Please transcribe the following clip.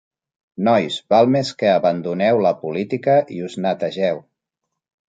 Nois, val més que abandoneu la política i us netegeu.